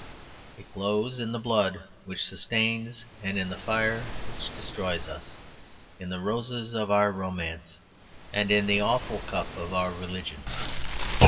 It glows in the blood which sustains and in the fire which destroys us, in the roses of our romance and in the awful cup of our religion.